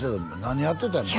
何やってたの？